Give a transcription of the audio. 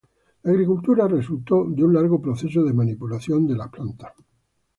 La agricultura resultó de un largo proceso de manipulación de las plantas.